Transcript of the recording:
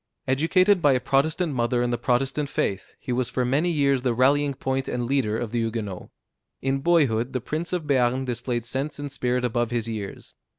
Educated by a Protestant mother in the Protestant faith, he was for many years the rallying point and leader of the Huguenots. In boyhood the prince of Béarn displayed sense and spirit above his years.